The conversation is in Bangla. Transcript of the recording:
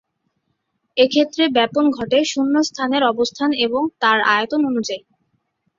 এক্ষেত্রে ব্যাপন ঘটে শূণ্য স্থানের অবস্থান এবং তার আয়তন অনুযায়ী।